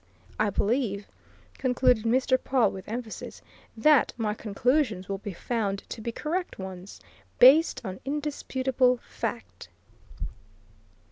I believe," concluded Mr. Pawle, with emphasis, "that my conclusions will be found to be correct ones, based on indisputable fact."